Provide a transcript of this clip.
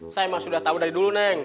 saya emang sudah tahu dari dulu neng